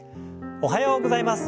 おはようございます。